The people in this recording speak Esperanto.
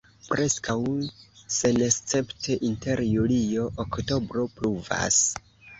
Preskaŭ senescepte inter julio-oktobro pluvas.